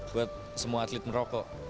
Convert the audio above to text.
buat semua atlet merokok